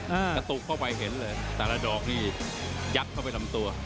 กระตุกเข้าไปเห็นเลยแต่ละดอกนี่ยัดเข้าไปลำตัว